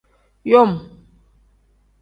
Yom.